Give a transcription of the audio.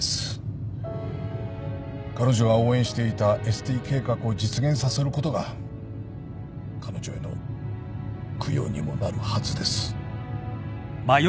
彼女が応援していたＳＴ計画を実現させることが彼女への供養にもなるはずです。